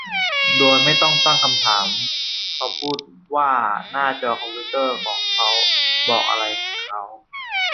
โดยไม่ต้องตั้งคำถามเขาพูดว่าหน้าจอคอมพิวเตอร์ของเขาบอกอะไรเขา